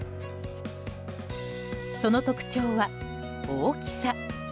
その特徴は大きさ。